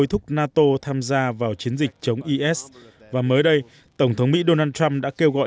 nhiều thành viên nato tham gia vào chiến dịch chống is và mới đây tổng thống mỹ donald trump đã kêu gọi